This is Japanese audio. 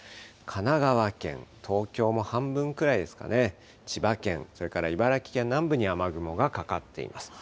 神奈川県、東京も半分くらいですかね、千葉県、それから茨城県南部に雨雲がかかっています。